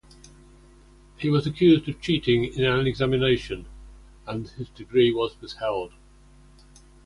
He was accused of cheating in an examination and his degree was withheld.